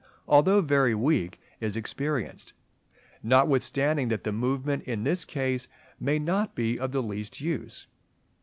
although very weak, is experienced; notwithstanding that the movement in this case may not be of the least use.